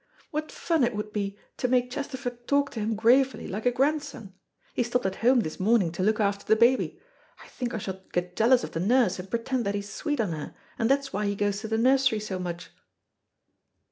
What fun it would be to make Chesterford talk to him gravely like a grandson. He stopped at home this morning to look after the baby. I think I shall get jealous of the nurse, and pretend that he's sweet on her, and that's why he goes to the nursery so much."